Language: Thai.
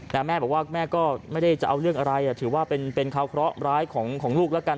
แม่บอกว่าแม่ก็ไม่ได้จะเอาเรื่องอะไรถือว่าเป็นเป็นคราวเคราะห์ร้ายของลูกแล้วกัน